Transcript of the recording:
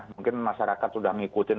mungkin masyarakat sudah mengikutin